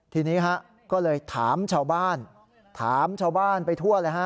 ทีนี้ฮะก็เลยถามชาวบ้านถามชาวบ้านไปทั่วเลยฮะ